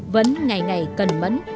vẫn ngày ngày cần mẫn